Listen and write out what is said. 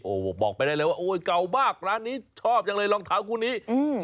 โอ้โหบอกไปได้เลยว่าโอ้ยเก่ามากร้านนี้ชอบจังเลยรองเท้าคู่นี้อืม